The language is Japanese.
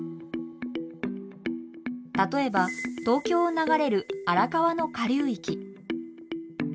例えば東京を流れる荒川の下流域。